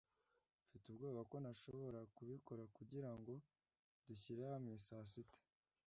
Mfite ubwoba ko ntazashobora kubikora kugirango dushyire hamwe saa sita